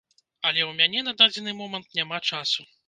Але ў мяне на дадзены момант няма часу.